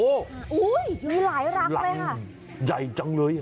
อุ้ยมีหลายรังเลยค่ะรังใหญ่จังเลย